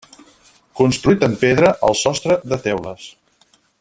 Construït en pedra, el sostre, de teules.